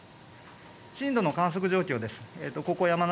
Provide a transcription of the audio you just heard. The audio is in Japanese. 震度の観測状況です。